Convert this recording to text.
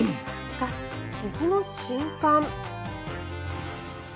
しかし、次の瞬間。